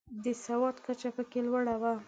د سواد کچه پکې لوړه وه.